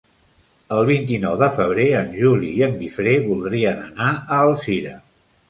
El vint-i-nou de febrer en Juli i en Guifré voldrien anar a Alzira.